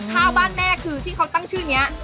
ข้าวบ้านแม่คือที่เขาตั้งชื่อนี้